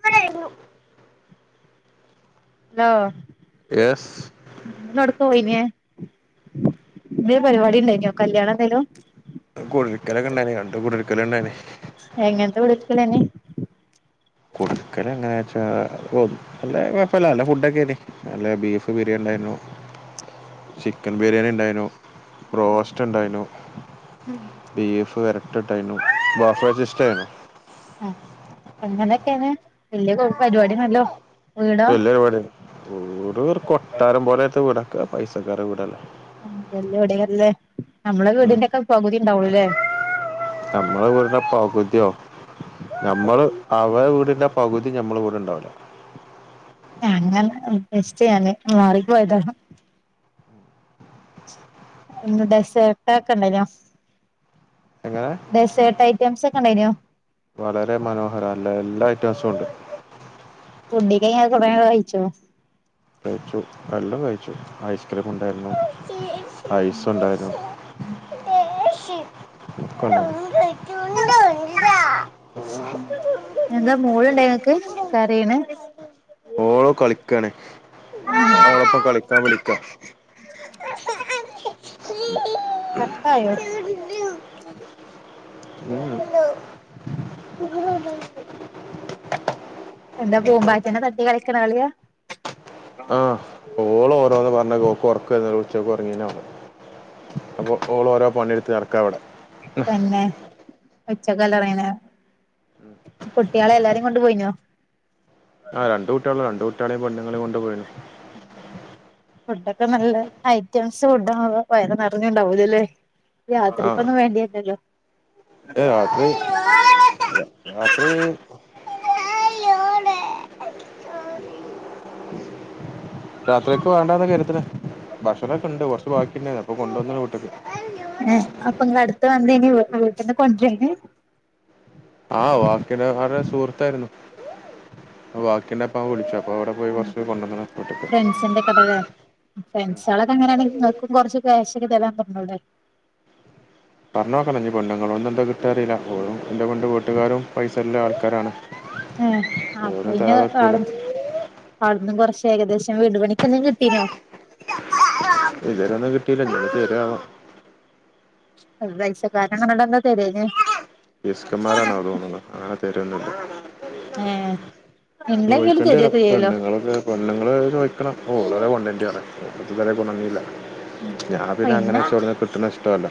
[inaudible] Hello yes ഇന്ന് എവ്ട്ക്കാ പോയിനെ ന്തേലും പരിപാടി ണ്ടായിനോ കല്യാണം ന്തേലും കുടിയിരിക്കലൊക്കെ ഉണ്ടെനി രണ്ട് കുടിയിരിക്കല് ഉണ്ടേനി എങ്ങനത്തെ കുടിയിരിക്കലേനി കുടിയിരിക്കല് എങ്ങനാന്ന് വച്ചാ ഉം വല്ല കുഴപ്പമില്ല നല്ല ഫുഡൊക്കെനി നല്ല ബീഫ് ബിരിയാണി ണ്ടായിന്നു ചിക്കൻ ബിരിയാണി ണ്ടായിന്നു ബ്രോസ്സ്റ്റ് ണ്ടായിനു ബീഫ് വരട്ട് ണ്ടായിരന്നു ബഫ സിസ്റ്റം ആയിരുന്നു ആ അങ്ങനൊക്കെണ് വല്ല പരിപാടണല്ലോ വല്യരുപാടി വിട് കൊട്ടാരം പോലത്തെ വീടാക്കോ പൈസക്കാര വീടാ വല്ല വിടല്ലേ നമ്മളെ വീടിന്റെ ഒക്കെ പകുതിണ്ടാവുല്ലേ നമ്മള് വീടീ ന്റെ പകുതീ നമ്മള് അവരെ വീടിന്റെ പകുതി നമ്മ നമ്മളെ വിടെണ്ടാവില്ല അങ്ങനെസ്റ്റ് ഞാന് മാറി പോയതാ ഡെസേർട്ട്ക്കോ ണ്ടന്യോ എങ്ങനെ ഡെസേർട്ട് ഐറ്റംസ്ക്കോ ണ്ടായിനോ വളരെ മനോഹരേല്ല എല്ലാ ഐറ്റംസും ഉണ്ട് ഫുഡോക്ക് വഹിച്ചോ കയിച്ചു നല്ലൌ കയിച്ചു ഐസ്ക്രീം ണ്ടായിരുന്നു ഐസ് ണ്ടായിരുന്നു ക്കേണ്ടന്നു എന്താ മോളുണ്ടോ ങ്ങക്ക് കരീണേ ഓള് കളിക്കണ് ഓളപ്പ കളിക്കാ വിളിക്ക കട്ടായോ ി ആ ഉം [unintelligible] ഉ [unintelligible] എന്താ പൂമ്പാറ്റേനേ തട്ടി കളിക്കണ കളിയാ ആ് ഓള് ഓരോന്ന് പറഞ്ഞ് ഒക്ക് ഒറക്ക രിണില്ല ഉച്ച ഉറങ്ങീട്ട് അപ്പൊ ഓളോഓരോ പണിടുത്ത് നടക്ക വിടെ തന്നെ ഉച്ചക്കലറങ്ങന കുട്ടിാളെ എല്ലാരേും കൊണ്ട് പോയിനോ ആ രണ്ട് കുട്ടികള രണ്ട് കുട്ടിളും പേണ്ണ്ങ്ങളി കൊണ്ട് പോയിനി ഉം [unintelligible] ഫുഡോക്കെ നല്ലെ ഐറ്റംസ് ഫുഡാവുമ്പൊ വയറ് നറഞ്ണ്ടാവൂലലെ യാത്രിക്കൊന്നും വേണ്ടിര്ലല്ലോ ഏ രാത്രി രാത്രി [inaudible] രാത്രിക്ക് വാണ്ടന്ന കെര്ത്ണെ ഭക്ഷണൊക്കെണ്ട് കൊർച്ച് ബാക്കിണ്ടേന്ന് അപ്പൊ കൊണ്ടോന്ന്ണ് വീട്ട്ക്ക് അപ്പൊങ്ങള് അടുത്തന്തേനി വീട്ട്ന്ന് കൊൻഡ്രേന് ആ വാക്കിനെ ഹരെ സുഹൃത്തായിരുന്നു അപ്പൊ വാക്കിനെ പ്പം വിളിച്ചപ്പോ അവടെ പോയി കൊർച്ച് കൊണ്ടന്ന്ണ് വീട്ട്ക്ക് ച്ചന്റെ കഥയാ ഫ്രണ്ട്സാളൊക്കെങ്ങനേണെങ്കി ങ്ങക്കും കൊർച്ച് ക്യാശൊക്കെ തെരാൻ പർഞ്ഞൂടെ പർഞ്ഞോക്കണം ഞ്ഞി പെണ്ണ്ങ്ങളോട്ന്ന് എന്താ കിട്ടാറീല്ല ഓളും ന്റെ കൊണ്ട് വീട്ടുകാരും പൈസല്ലാൾക്കാരാണ് എ അപ്പൊ പിന്നെ വേറെ [unintelligible] അവ്ട് ന്നും കൊർച്ച് ഏകദേശം വീട് പണിക്കെന്തേം കിട്ടീനോ ഇത് വെരൊന്നും കിട്ടീല്ല ഞ്ഞി പ്പൊ തെരോ ആവോ [unintelligible] പിസ്ക്കമ്മാരാന്നാ തോന്ന്ണത് അങ്ങനെ തെരൊന്നുല്ല ഏ ചോയ്ക്കെണ്ടിരും പെണ്ണ്ങ്ങളൊക്കെ പെണ്ണ്ങ്ങള് ചോയ്ക്കണം ഓളല്ലെ [unintelligible] ഇത് വരെ കൊണ്ടന്നീല്ല ഞാൻ പിന്നെ അങ്ങനെ [unintelligible] കിട്ട്ണ ഇഷ്ടല്ല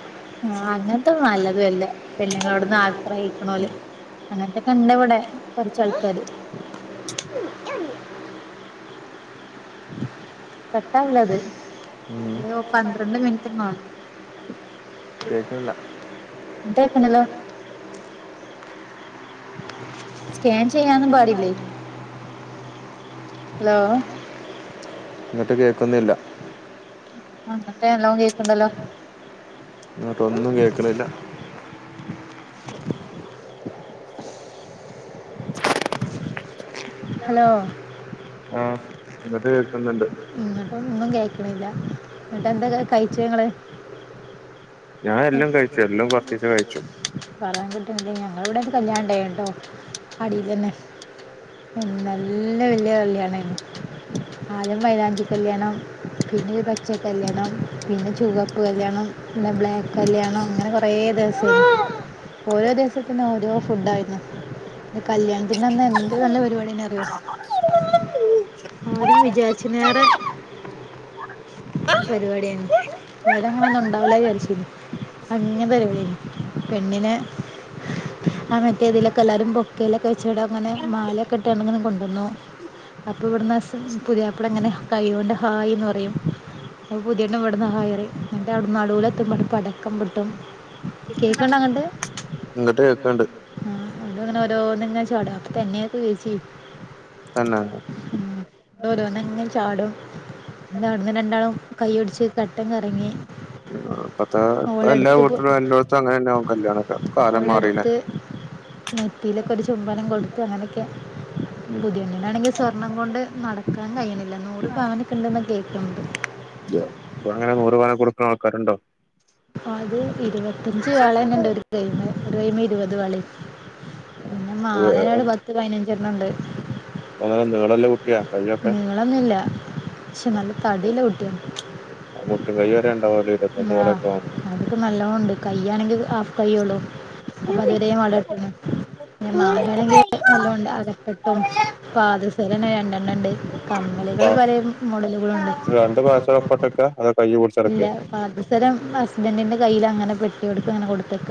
ആ അങ്ങൻത്തത് നല്ലതു അല്ല പെണ്ണ്ങ്ങളോട്ന്ന് ആഗ്രഹിക്കണോല് അങ്ങൻത്തൊക്കെണ്ട് വടെ കൊർച്ചാൾക്കാര് കട്ടാവൂലത് ഉം ഞ്യും പന്ത്രണ്ട് മിൻറ്റും കാണും കേക്ക്‌ൺല്ല [unintelligible] സ്കാൻ ചെയ്യാനും പാടില്ലേ ഹലോ ഇങ്ങട്ട് കേക്കുന്നില്ല അ ഇങ്ങട്ട് നല്ലോം കേക്ക്ണ്ടല്ലോ ഇങ്ങട്ടൊന്നും കേക്ക്‌ണില്ല ഹലോ ആ ഇങ്ങട്ട് കേക്ക്‌ന്ന്ണ്ട് ഇങ്ങട്ടൊന്നും കേക്ക്‌ണില്ല ന്ന്ട്ടെന്താ കഴിച്ചേങ്ങള് ഞാൻ എല്ലും കയ്ച്ചു എല്ലും കൊർച്ചിച്ചെ കയ്ച്ചു പറയാൻ കിട്ട്ൺല്ല ഞങ്ങളവടൊക്കെ കല്യാണണ്ടേനുട്ടോ അടിലെന്നെ ഉം നല്ല വെല്യ കല്യാണേയ്നു ആദ്യം മൈലാഞ്ചി കല്യാണം പിന്നീ പച്ച കല്യാണം പിന്നെ ചുവപ്പ് കല്യാണം പിന്നെ ബ്ലാക്ക് കല്ല്യാണം അങ്ങനെ കൊറെ ദിവസേന് ഓരോ ദിവസത്തിനും ഓരോ ഫുഡായ്ന്നു കല്യാണത്തിന്റന്ന് എന്ത്‌ നല്ല പരിപാടിനെന്നറിയോ ആരും വിചാരിച്ച്നേറെ പരിപാടിയേനു ഞാനങ്ങനൊന്നും ണ്ടാവൂല വിചാരിച്ചിനി [unintelligible] പരിപാടേനി പെണ്ണിനെ ആ മറ്റേതിലൊക്കെല്ലാരും ബൊക്കലൊക്കെ വെച്ചൂടങ്ങനെ മാലൊക്കെ ട്ടണ്ങ്ങനെ കൊണ്ടന്നു അപ്പോ ഇവിട്ന്ന് പുതിയാപ്പളങ്ങനെ കൈ കൊണ്ട് ഹായ്ന്ന് പറയും അപ്പ പുതിയെണ്ണ് ഇവിട്ന്ന് ഹായറിയും ന്ന്ട്ടവ്ട്ന്ന് നടുലെത്തുമ്പണ്ട്‌ പടക്കം പൊട്ടും കേക്ക്ണ്ടങ്ങട്ട് ഇങ്ങട്ട് കേക്ക്ണ്ട്. ആ അവ്ട്ന്ന്ങ്ങനെ ഓരോന്ന്ങ്ങനെ ചാടും അപ്പൊ [unintelligible] തെന്നെ അ ന്ന്ട്ടോരോന്നങ്ങനെ ചാടും പിന്നവ്ട്ന്ന് രണ്ടാളും കയ്യുട്ച്ച് കട്ടൻ കറങ്ങി ഇപ്പത്തെ എല്ലാ ഓളെടുത്ത് പോ- വീട്ടിലും എലോടത്തും അങ്ങനെന്നാവും കല്യാണ കാലം മാറില്ലേ. ഓളെടുത്ത് നെറ്റിയിലൊക്കെ ഒരു ചുമ്പനം കൊടുത്ത് അങ്ങനെയൊക്കെ ഉം പുതിയ. ണാണെങ്കിൽ സ്വർണം കൊണ്ട് നടക്കാൻ കഴിയണില്ല നുറ്പവനൊക്കെണ്ടന്ന കേക്കുന്നത്. അ അപ്പൊ അങ്ങനെ നൂറ് പവനൊക്കെ കൊടുക്കുന്ന ആൾക്കാരുണ്ടോ. അത് ഇരുപത്തഞ്ച് വളന്നെയ്ണ്ട് ഒരു കൈമില് ഒരു കൈമ ഇരുപത് വളി. പിന്നെ മാലേം പത്ത് പത്ത് പയിനഞ്ചണണ്ട് അങ്ങനം നീള്ല്ല കുട്ടിയാ ക നീളൊന്നുല്ല. പക്ഷെ നല്ല തടില്ലേ കുട്ട്യാ മുട്ടും കൈ വരെഉണ്ടാവാലെ ആ അതക്കെ നലോണ്ട് കയ്യാണെങ്കി ഹാഫ് കയൊള്ളു അപ്പൊ അതുവര വള [unintelligible] പിനേ മാലായാണെങ്കി എല്ലാംണ്ട് അരക്കെട്ടും പാദസരനെണ്ടെണ്ണണ്ട് കമ്മലികള് പലേ മോടലുകളുണ്ട്. രണ്ട്‌ പാസരം. കൊട്ടക്ക അ ഇല്ല പാദസരം ഹസ്ബന്റിന്റെ കയ്ൽ അങ്ങനെ പെട്ടിടുക്കെ അങ്ങനെ കൊടുത്തക്ക.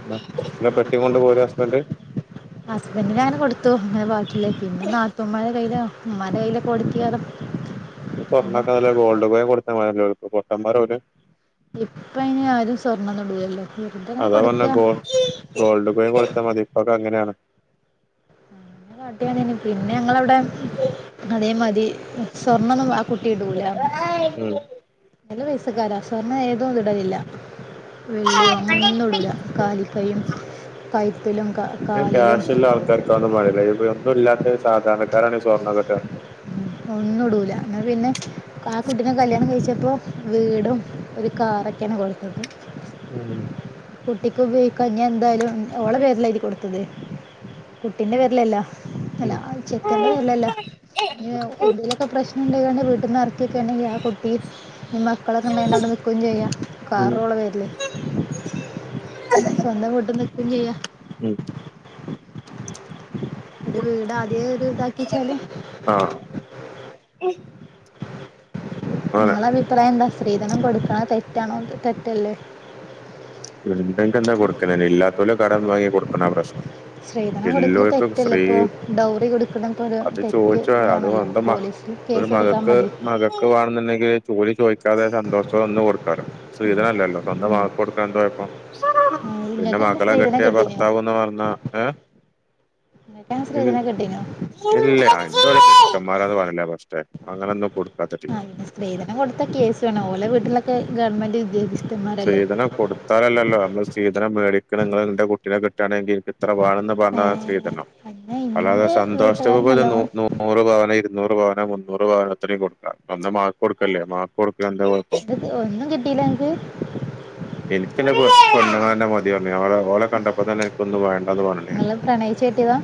അല്ലെ പെട്ടി കൊണ്ട് പോര ഹസ്ബന്റ് ഹസ്ബന്റ്ന് അങ്ങനെ കൊടുത്തു അങ്ങനെ പെട്ടില്ലേ പിന്നെ നാത്തൂമ്മാരെ കയ്ലോ ഉമാന്റെ കയ്യില കൊടുക്കെതോ. സ്വർണല്ല ഗോൾഡ് കൊയ്ൻ കൊടുത്താ പൊട്ടന്മാരാ ഓര് ഇപ്പയ്ന് ആരും സ്വർണംന്ന്ടുലല്ലോ വെറുതെ ഇങ്ങനെ അതാ പറഞ്ഞെ കൊടുക്കാ. ഗോ ഗോൾഡ് കൊയിൻ കൊടുത്തമതിപ്പൊക്കെ അങ്ങനെണ് ട്തി പിന്നെ ഞങ്ങളവടെ. അതേമാതി സ്വർണ്ണംന്നും ആ കുട്ടിടുലാ. ഉം നല്ല പയസക്കാരാ സ്വർണം ഏതോ ഇടലില്ല വെള്ളിയോ ഒന്നും ഒന്നും ഇടൂല. കാലിക്കയും കൈത്തലും ഏഹ് ക്യാഷ്ള്ള ആൾക്കാർക്കാന്നും മടിയില്ല ഇപ്പൊ ഒന്നും ഇല്ലാത്ത കാലിലും സാധണക്കാരാണ് ഈ സ്വർണ്ണക്കട്ട് ആൾക്കാർ ഒന്നും ഇടൂല അപ്പൊ പിന്നെ ആ കുട്ടിനെ കല്യാണം കഴിച്ചപ്പോ വീടും ഒരു കാറൊക്കെയാണ് കൊടുത്തത് ഉം കുട്ടിക്ക് ഉപയോഗിക്കാഞ് എന്തായാലും ഓളെ പേരിലായിരിക്കും കൊടുത്തത് കുട്ടീൻ്റെ പേരിലല്ലോ അല്ല ചെക്കൻ്റെ പേരിലല്ലോ പിന്നെ എന്തങ്കലൊക്കെ പ്രശ്നം ഉണ്ടായുകണ്ട് വീട്ട് നിന്ന് ഇറക്കിയൊക്കെ ഉണ്ടെങ്കിൽ ആ കുട്ടി മക്കളൊക്കെമ്മല്ല അവിടെ നിക്യും ചെയ്യാം ഉം കാറുള്ള പേരില്ലേ സ്വന്തം വീട്ട് നിക്കും ചെയ്യാ ഉം ഉം എന്റെ വീട് ആദ്യം ഇത് ഇതാക്കി വച്ചാലും ആഹ് അങ്ങനെ നിങ്ങളെ അഭിപ്രായം എന്താ സ്ത്രീധനം കൊടുക്കണോ തെറ്റാണോ തെറ്റല്ലേ ഇന്ടെങ്കി എന്താ കൊടുക്കണേന് ഇല്ലാത്തോല് കടം വാങ്ങി കൊടുക്കണം അതാ പ്രശ്നം സ്ത്രീധനം കൊടുക്കൽ എല്ലർക്കും തെറ്റല്ലേ സ്ത്രീ ഇപ്പോൾ ഡൗറി കൊടുക്കണതൊക്കെ ഒരു അത് തെറ്റ് ചോദിച്ച് അത് ഇതാണല്ലോ മാത്രം പോലീസിൽ ഒരു കേസ് കൊടുത്താൽ മകക്ക് മതി മക ക്ക്ണെന്നുണ്ടെങ്കിൽ ജോലി ചോദിക്കാതെ സന്തോഷം ഒന്ന് കൊടുക്കാലോ സ്ത്രീധനല്ലോ സ്വന്തം ഉം. വാപ്പ കൊടു സ്വന്തം ആ, പിന്നെ ഇങ്ങക്ക് അങ്ങനെ മകളെ സ്ത്രീധനം കെട്ടിയ കിട്ടീനോ ഭർത്താവ്ന്ന് പറഞ്ഞാ ഏഹ് ങ്ങക്ക് സ്ത്രീധനം കിട്ടിനോ ഇല്ല എന്ത കിക്കന്മാരാന്ന് പറഞ്ഞില്ലേ പക്ഷേ അങ്ങനെയൊന്നും കൊടുക്കാത്ത ടീമാ ആഹ് പിന്നെ സ്ത്രീധനം കൊടുത്ത കേസ് ആണ് ഓലെ വീട്ടിലൊക്കെ ഗവൺമെന്റ് വിദ്യാഭ്യ സ്ത്രീധനം കൊത്താലല്ലോ നമ്മള് സ്ത്രീധനം വേടിക്ക നിങ്ങള് നിന്റെ കുട്ടീനെ കിട്ടുകയാണെങ്കി എനിക്ക് ഇത്ര വേണം ഏ സ്ത്രീധനം പിന്നെ അല്ലാതെ ഇന്റെ വീട്ടുകാർ സന്തോഷത്തോടെ നല്ലോണം നൂറ് പവനോ ഇരുന്നൂറ് പവനോ മുന്നൂറ് പവന്നോന് കൊടുക്കാംന്ന് മകൾക്ക് കൊടുക്കല്ലേ മകൾക്ക് കൊടുക്കാ എന്താ കുഴപ്പം അത് ഒന്നും കിട്ടിയില്ല ങ്ങൾക്ക് എനിക്കെൻ്റെ പെണ്ണിനെ തന്നെ മതി പറഞ്ഞ് അവ ഓളെ കണ്ടപ്പോ തന്നെ എനിക്കൊന്നും വേണ്ടന്ന് പറഞ്ഞ് നിങ്ങൾ പ്രണയിച്ച് കെട്ടിയതാ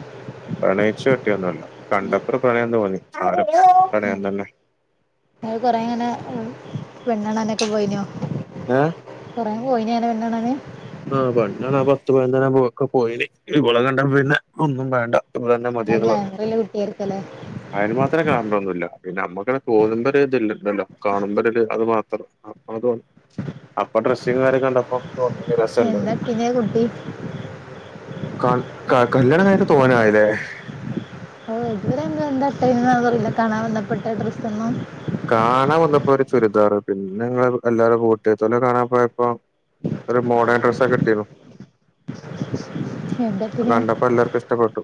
പ്രണയിച്ചു കെട്ടിയൊന്നു അല്ല കണ്ടത്ര പ്രണയം തോന്നി ആ ഒരു പ്രണയം തന്നെ ഇങ്ങള് കൊറെ ഇങ്ങനെ പെണ്ണാണാനൊക്കെ പോയിനോ ഏഹ് കൊറേ പോയിനേനോ പെണ്ണണാന് ആഹ് പെണ്ണ് കാണാൻ പത്ത് പതിനഞ്ചെണ്ണം ഒക്കെ പോയിന് ഇവളെ കണ്ടപ്പൊ പിന്നെ ഒന്നും വേണ്ട ഓളന്നെ നല്ല മതിയന്ന് പറഞ് ഗ്ലാമറുള്ള കുട്ടിയായിരിക്കല്ലേ അയന് മാത്രം കായമ്പൊന്നുല്ല പിന്നെ അമ്മക്കനെ തോന്നുമ്പോ ഒരു ഇതിണ്ടല്ലോ കാണുമ്പോ ഒരു ഇത് അത് മാത്രം അപ്പൊ തോന്നി അപ്പൊ ഡ്രസ്സിംഗ് കാര്യൊക്കെ കണ്ടപ്പൊ തോന്നി രസണ്ട് എന്താ ഇട്ടിനെ കുട്ടി കാൽ ക കല്യാണം കഴിഞ്ഞിട്ട് തോനെ ആയില്ലെ ഓഹ് ഇതുവരെ എന്ത ഇട്ടെ ഇന്നെ കാണാൻ വന്നപ്പെട്ട ഡ്രസ്സൊന്നും കാണാൻ വന്നപ്പോ ഒരു ചുരിദാറ്ട്ട് പിന്നെ നിങ്ങള് എല്ലാരും കൂട്ടയത്തോലും കാണാൻ പോയപ്പോ ഒരു മോഡേൺ ഡ്രസ്സൊക്കെ ഇട്ടിരുന്നു അത് എന്തത്തിന് കണ്ടപ്പോ എല്ലാർക്കും ഇഷ് ടപ്പെട്ടു.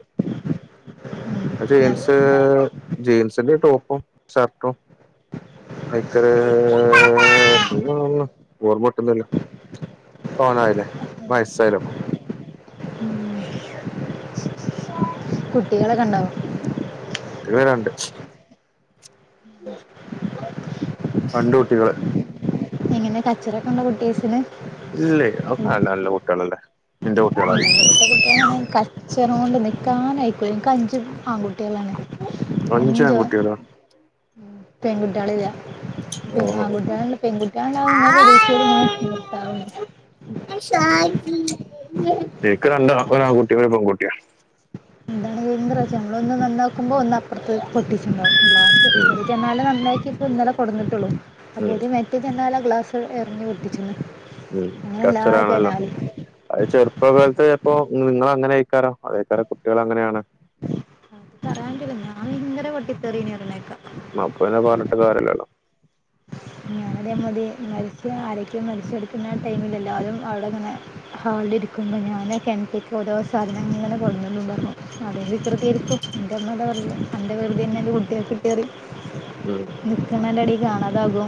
ജീൻസ് ജീൻസിന്റെ ടോപ്പും ഷർട്ടും ഐക്കൊരു [unintelligible] ഓർമ്മ കിട്ടുന്നില്ല. പോവാനായില്ലേ വയസ്സായില്ലേ ഇപ്പം കുട്ടികളക്കെണ്ടാവോ കുട്ടികള് രണ്ട് [inaudible] രണ്ട് കുട്ടികള് എങ്ങനെ കച്ചറൊക്കെ ഉണ്ടോ കുട്ടിയേസിന് ഇല്ലേയ് അവക്ക നല്ല നല്ല കുട്ടികളല്ലേ. എന്റെ കുട്ടികളല്ലേ ഇവിടത്തെ കുട്ടികളാണേ കച്ചറോണ്ട് നീക്കാനയികൂലാ ഇന്ക്ക് അഞ്ചു ആൺകുട്ടികളാണ്. അഞ്ച് ആൺകുട്ടികളോ? പെങ്കുട്ട്യാളില്ല. പിന്നെ ആൺകുട്ടിആയോണ്ട് പെൺകുട്ടികളണ്ടാവുന്ന പ്രതീശയിൽ ഇങ്ങനെ നിർത്താതെ പോയി. എക്ക് രണ്ട് ഒരു ആൺകുട്ടിം ഒരു പെൺകുട്ടിയാ. എന്താണ് എന്ത്റോച്യാ നമ്മള് ഒന്ന് നന്നാക്കുമ്പോ ഒന്ന് അപ്പുറത്ത് പൊട്ടിച്ചട്ടുണ്ടാവും ഉം ഗ്ലാസ്‌ ജനാലെ നന്നാക്കി ഇപ്പോ ഇന്നലെ കൊടുന്നിട്ടുള്ളു ഉം അപ്പോക്ക് മറ്റ് ജനാല ഗ്ലാസ് എർഞ് പൊട്ടിച്ചിക്ണ്. ഉം കച്ചറാണല്ലോ അത് ചെറുപ്പകാലത്തെ ഇപ്പൊ നിങ്ങൾ അങ്ങനെ അയിക്കാരം അതയ്കരം കുട്ടികൾ അങ്ങനെയാണ്. അത് പറയാൻറ്റില്ല ഞാൻ ഭങ്കര പൊട്ടിത്തെറീനീ പറേണേക്ക. അപ്പൊ പിന്ന പറഞ്ഞിട്ട് കാര്യലാലോ. മിഞ്ഞാന്ന് ഇതേ മാതി മരിച്ച ആരെക്കും മരിച്ചെടുക്കുന്ന ടൈമിൽ എല്ലാവരും അവിടെ ഇങ്ങനെ ഹാളിൽ ഇരിക്കുമ്പോ ഞാനാ കെൺറ്റിക്ക് ഓരോ സാധനങ്ങനെ കൊട്ന്ന്ണ്ടപ്പൊ അതെ വികൃതിയായിരിക്കും എന്റെ ഉമ്മ അതാ പറിയല് അന്റെ വികൃതി തന്നെ അന്റെ കുട്ട്യാക്ക് കിട്ടിയറിയും ഉം നിക്ക്ണേന്റെടീ കാണാതാകും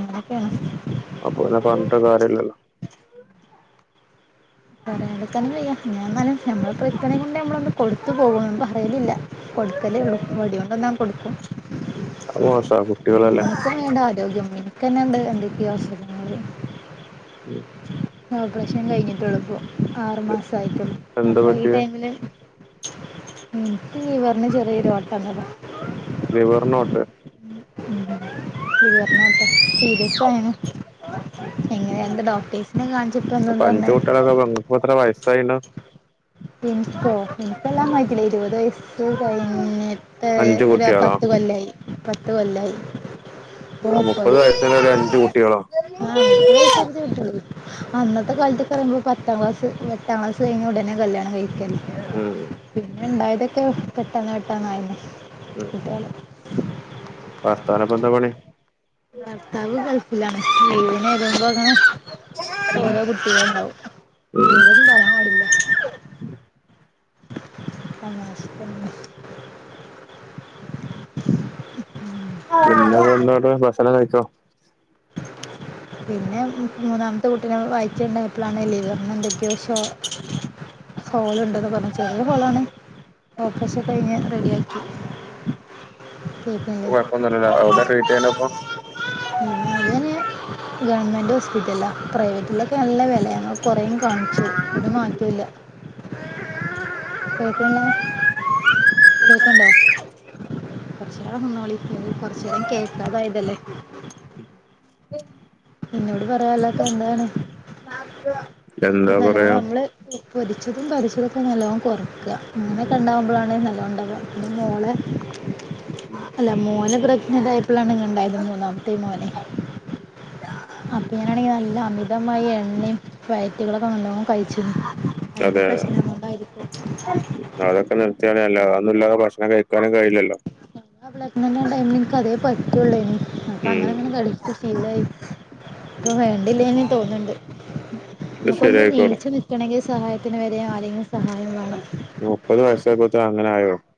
അങ്ങനൊക്കെയാണ്. അപ്പൊ പിന്ന പറഞ്ഞിട്ട് കാര്യല്ലല്ലോ. പറയാണ്ട്ക്കാനും വയ്യ ഞാ എന്നാലും. ഞമ്മൾ പ്രിതനെകൊണ്ട് നമ്മളൊന്ന് കൊടുത്തു പോകും ഒന്നും പറയലില്ല കൊടുകലേ ഉള്ളൂ വടി കൊണ്ടൊന്നാ കൊടുക്കും. അത് മോശ കുട്ടികളല്ലേ. [unintelligible] ഇൻക്കന്നേ ഇണ്ട് എന്തൊക്കെയോ അസുഖങ്ങള്. ഉം ഓപ്പ്രഷൻ കഴിഞ്ഞിട്ട് ഉള്ളു ഇപ്പൊ. ആറു മാസം ആയിട്ടും എന്താ അപ്പ ഈ പറ്റിയെ ടൈമില്. ഉം എനിക്ക് ലിവറിന്‌ ചെറിയൊരു ഓട്ട വന്നതാ ലിവർന് ഓട്ടയോ ലിവർ ന് ഓട്ട സീരിയസ് ആയിരുന്നു എങ്ങനെ എന്ത് ഡോക്ടേഴ്സിനെ കാണിച്ചിപ്പ എന്തന്ന് പറഞ്ഞെ എന്തക്ക പറഞ്ഞു അപ്പത്ര വയസ്സായി ണ്ടാവും എനിക്കോ എനിക് എല്ലാം ആയിട്ടില്ല ഇരുപത് വയസ്സ് [inaudible] കഴിഞ്ഞിട്ട് അഞ്ചു ഒരു കുട്ടികളോ പത്ത് കൊല്ലായി പത്ത് കൊല്ലായി ഇപ്പൊ മുപ്പത് വയസ്സിന് ഒരു അഞ്ചു കുട്ടികളോ ഹ മുപ്പത് വയസായിട്ടേ കെട്ടോളു അന്നത്തെ കാലത്തത്ത് പറയുമ്പോൾ പത്താം ക്ലാസ് എട്ടാം ക്ലാസ് കഴിഞ് ഉടനെ കല്യാണം കഴിക്കല്ലെ മ്മ് പിന്നെ ഇണ്ടായതൊക്കെ പെട്ടെന്ന് പെട്ടന്ന ആയിരുന്നു കുട്ടികള് ഭർത്താവിനെ ഇപ്പൊ എന്താ പണി ഭർത്താവ് ഗൾഫിലാണ് ലീവിന് വരുമ്പോ ഇങ്ങനെ ഓരോ കുട്ടികൾ ഉണ്ടാവും ലീവൊന്നും പറയാൻ പാടില്ല. തമാശക്ക് ഒന്നും പിന്നെന്താ ഭക്ഷണം കഴിച്ചോ പിന്നെ മൂന്നാമത്തെ കൂട്ടീനെ വയിറ്റി ലുണ്ടയപ്പോഴാണ് ലിവാർന് എന്തൊക്കെയോ ഷോ ഹോൾ ഉണ്ടെന്ന് പറഞ്ഞ ചെറിയ ഹോളാണ് ഓപ്പറേഷൻ കഴിഞ്ഞ് റെഡി ആക്കി പിന്നെ ഇപ്പൊ കൊഴപ്പം ഒന്നും കൊഴപ്പൊന്നുമില്ലല്ലോ ഇല്ലല്ലോ എവിടെ അല്ലെ ട്രീറ്റ് ചെയ്യണിപ്പോ അത്ങ്ങനെ ഗവൺമെൻറ് ഹോസ്പിറ്റലാ പ്രൈവറ്റിലൊക്കെ നല്ല വില ഞങ്ങ കൊറേയും കാണിച്ചു ഒരു മാറ്റവും ഇല്ല കേൾക്ക ള്ള കേൾകണ്ടോ കോ റച്ച് നേരം നിന്നോളി വിള കൊറച്ച് നേരം കേൾക്കാതായതല്ലേ ഇന്നോട് പറയാലക്കെ എന്താണ് ഇത് എന്താ നിലവോ പറയാ നമ്മള് പൊരിച്ചതും കരിച്ചതൊക്കെ നല്ലോം കൊറക്ക അങ്ങനെക്കെണ്ടകുമ്പളാണ് നല്ലോംണ്ടാവാ പിന്നെ മോളെ അല്ല മോനെ പ്രെഗ്നന്റായപ്പളാണ് ഇങ്ങനെ ഇണ്ടായത് മൂന്നാമത്തെ മോനെ. അപ്പൊ ഞാനാണെങ്കി നല്ല അമിതമായി എണ്ണ വയറ്റുകളൊക്കെ നല്ലോം കയിച്ചീനി അയിന്റെ അതെ പ്രശ്നം കൊണ്ടായിരിക്കും അതൊക്കെ നിർത്തിയാനേ അല്ല അതൊന്നുംല്ലാതെ ഭക്ഷണം കഴിക്കാനും കഴയില്ലല്ലോ ആ പ്രെഗ്നന്റായ ടൈമിൽ ഇൻക് അതേ പറ്റൂള്ളേനി അപ്പൊ ഉം അങ്ങനെ അങ്ങനെ കഴിക്കും ഇപ്പോ ശീലായി ഇപ്പ വേണ്ടില്ലേനി തോന്ന്ണ്ട് അത് നമുക്കൊന്ന് ശരിയായിക്കോളും നീച്ചു നിക്കണങ്കി സഹായത്തിന് വരെ ആരെങ്കിലും സഹായം വാണം ഈ മുപ്പത് വയസായപോത്തിന് അങ്ങനെ ആയോ